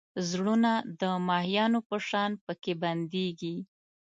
زړونه د ماهیانو په شان پکې بندېږي.